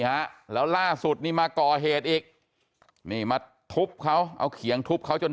ฮะแล้วล่าสุดนี่มาก่อเหตุอีกนี่มาทุบเขาเอาเขียงทุบเขาจน